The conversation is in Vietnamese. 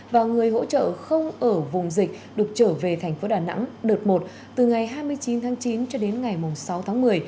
và người hỗ trợ không ở vùng dịch được trở về thành phố đà nẵng đợt một từ ngày hai mươi chín tháng chín cho đến ngày sáu tháng một mươi